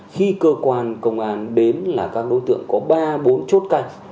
khi cơ quan công an đến là các đối tượng có ba bốn chốt ca